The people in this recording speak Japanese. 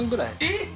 えっ？